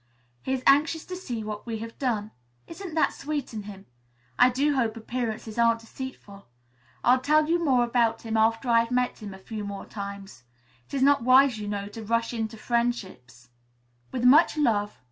He is anxious to see what we have done. Isn't that sweet in him? I do hope appearances aren't deceitful. I'll tell you more about him after I have met him a few more times. It's not wise, you know, to rush into friendships. "With much love.